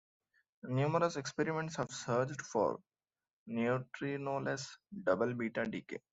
Numerous experiments have searched for neutrinoless double beta decay.